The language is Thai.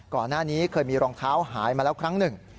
ก่อนหน้านี้เคยมีรองเท้าหายมาแล้วครั้งหนึ่ง